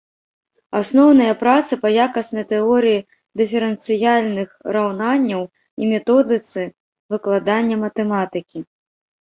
Асноўныя працы па якаснай тэорыі дыферэнцыяльных раўнанняў і методыцы выкладання матэматыкі.